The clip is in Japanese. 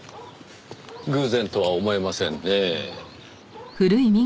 偶然とは思えませんねぇ。